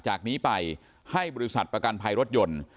จากนี้ไปให้บริษัทประกันภัยรถยนต์